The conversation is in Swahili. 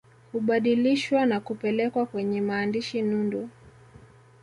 Hubadilishwa na kupelekwa kwenye maandishi nundu